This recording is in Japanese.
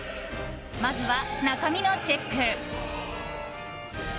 まずは中身のチェック。